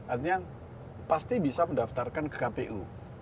artinya pasti bisa mendaftarkan ke kpu